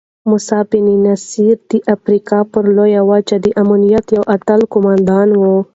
موسی بن نصیر د افریقا پر لویه وچه د امت یو اتل قوماندان وو.